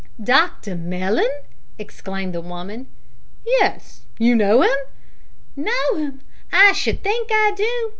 "Dr Mellon?" exclaimed the woman. "Yes. You know him?" "Know him! I should think I do!